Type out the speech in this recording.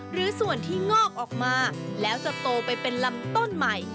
หรือส่วนที่งอกออกมาแล้วจะโตไปเป็นลำต้นใหม่